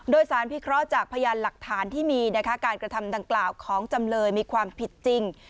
โดยสารพิเคราะห์จากพยานหลักฐานที่มีการกระทำดังกล่าวของจำเลยมีความผิดจริง